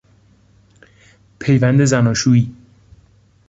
پیوند زناشویی